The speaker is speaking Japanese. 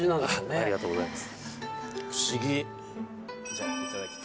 ありがとうございます。